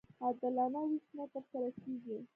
عادلانه وېش نه ترسره کېږي.